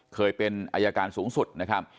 เคยเป็นอายการสูงสุดนะครับ